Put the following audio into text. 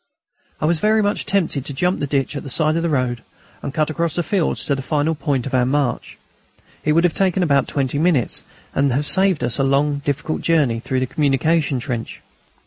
I was very much tempted to jump the ditch at the side of the road and cut across the fields to the final point of our march. It would have taken about twenty minutes, and have saved us the long difficult journey through the communication trench.